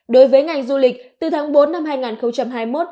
đối với ngành du lịch từ tháng bốn năm hai nghìn hai mươi một